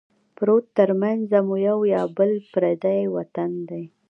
پروت ترمنځه مو یو یا بل پردی وطن دی